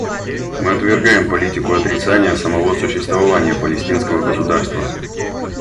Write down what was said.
Мы отвергаем политику отрицания самого существования палестинского государства.